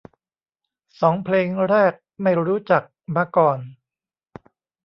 สองเพลงแรกไม่รู้จักมาก่อน